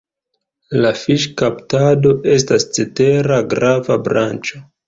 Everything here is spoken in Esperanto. La fiŝkaptado estas cetera grava branĉo.